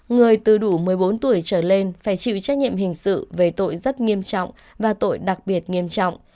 người từ đủ một mươi bốn tuổi trở lên phải chịu trách nhiệm hình sự về tội rất nghiêm trọng và tội đặc biệt nghiêm trọng